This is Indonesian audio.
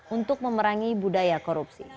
untuk memerangi budaya korupsi